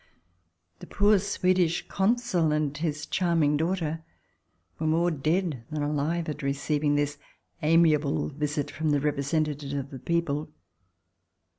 The poor Swedish Consul and his charming daughter were more dead than alive at receiving this amiable visit from the representative of the people.